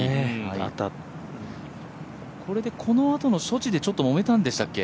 このあとの処置でちょっともめたんでしたっけ？